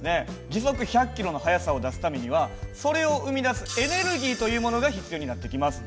時速１００キロの速さを出すためにはそれを生みだすエネルギーというものが必要になってきます。